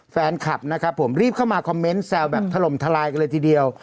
แฟนคลับนะครับผมรีบเข้ามาคอมเมนต์แซวแบบถล่มทลายกันเลยทีเดียว